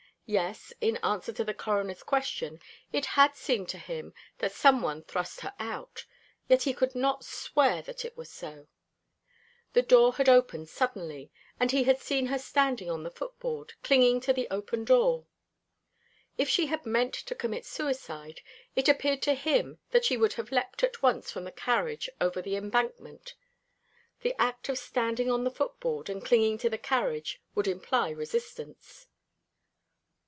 Yes, in answer to the Coroner's question, it had seemed to him that some one thrust her out, yet he could not swear that it was so. The door had opened suddenly; and he had seen her standing on the footboard, clinging to the open door. If she had meant to commit suicide, it appeared to him that she would have leapt at once from the carriage over the embankment. The act of standing on the footboard and clinging to the carriage would imply resistance.